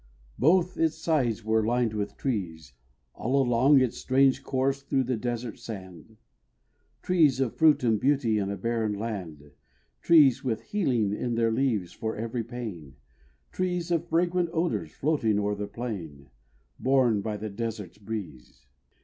Both its sides were lined with trees All along its strange course through the desert sand. Trees of fruit and beauty in a barren land Trees with healing in their leaves for every pain Trees of fragrant odours floating o'er the plain, Borne by the desert's breeze.